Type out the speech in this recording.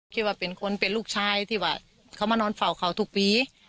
คิดว่าเป็นคนเป็นลูกชายที่ว่าเขามานอนเฝ้าเขาทุกปี